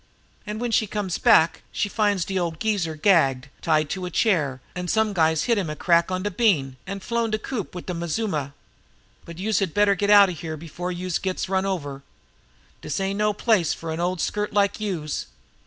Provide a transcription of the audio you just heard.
An' w'en she comes back she finds de old geezer gagged an' tied in a chair, an' some guy's hit him a crack on de bean an' flown de coop wid de mazuma. But youse had better get out of here before youse gets run over! Dis ain't no place for an old skirt like youse.